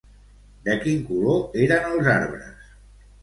De quin color eren els arbres?